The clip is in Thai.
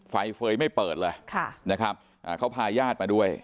ไฟเฟย์ไม่เปิดเลยนะครับเขาพาญาติมาด้วย